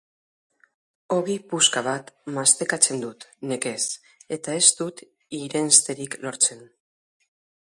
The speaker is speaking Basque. Ogi puska bat mastekatzen dut, nekez, eta ez dut irensterik lortzen.